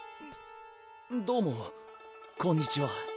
どうもこんにちは。